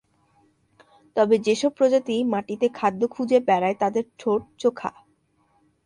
তবে যেসব প্রজাতি মাটিতে খাদ্য খুঁজে বেড়ায় তাদের ঠোঁট চোখা।